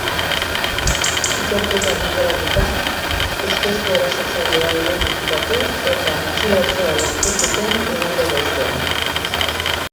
Ikerketa bideratuta, ustezko erasotzailea identifikatu eta atxilotzea lortu zuten igande goizean.